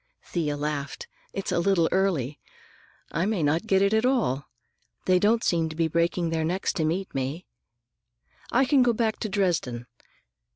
Thea laughed. "It's a little early. I may not get it at all. They don't seem to be breaking their necks to meet me. I can go back to Dresden."